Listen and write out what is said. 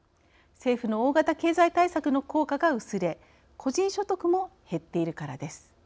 政府の大型経済対策の効果が薄れ個人所得も、減っているからです。